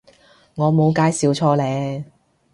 我冇介紹錯呢